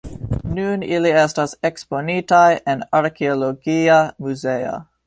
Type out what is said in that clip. Nun ili etas eksponitaj en Arkeologia Muzeo.